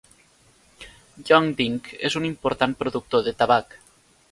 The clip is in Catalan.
Yongding és un important productor de tabac.